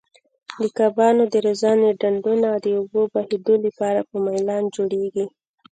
د کبانو د روزنې ډنډونه د اوبو بهېدو لپاره په میلان جوړیږي.